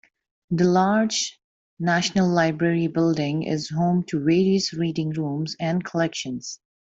The large National Library building is home to various reading rooms and collections.